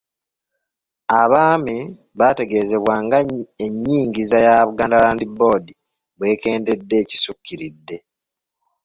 Abaami baategeezebbwa nga ennyingiza ya Buganda Land Board bw'ekendedde ekisukkiridde.